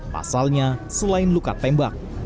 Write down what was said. pasalnya selain luka tembak